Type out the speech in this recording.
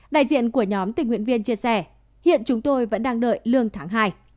đại diện của nhóm tình nguyện viên chia sẻ hiện chúng tôi vẫn đang đợi lương tháng hai